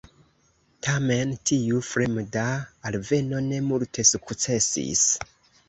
Tamen tiu "fremda" alveno ne multe sukcesis.